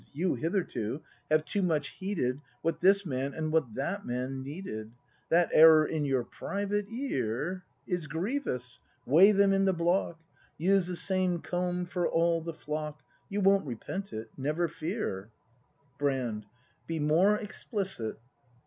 You hitherto have too much heeded What this man and what that man needed. That error (in your private ear) Is grievous. Weigh them in the block; Use the same comb for all the flock; You won't repent it, never fear. ACT V] BRAND 237 Brand. Be more explicit.